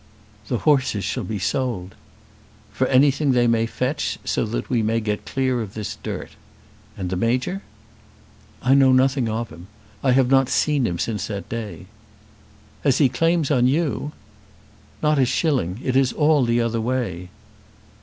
"The horses shall be sold." "For anything they may fetch so that we may get clear of this dirt. And the Major?" "I know nothing of him. I have not seen him since that day." "Has he claims on you?" "Not a shilling. It is all the other way."